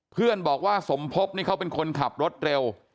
เพื่อนบอกว่าสมพบนี่เขาเป็นคนขับรถเร็ว